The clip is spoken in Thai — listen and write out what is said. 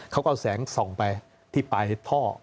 เขาก็เอาแสงส่องไปที่ปลายท่อ